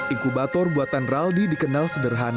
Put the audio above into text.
inkubator buatan raldi dikenal sederhana tapi efisien